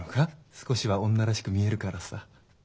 少しは女らしく見えるからさ。